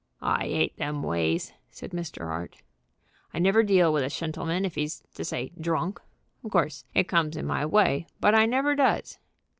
"' "I 'ate them ways," said Mr. Hart. "I never deal with a shentleman if he's, to say drunk. Of course it comes in my way, but I never does."